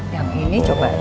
yang ini cobain